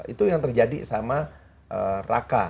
itu yang terjadi sama raka